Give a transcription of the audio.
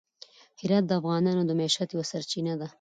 هرات د افغانانو د معیشت یوه سرچینه ده.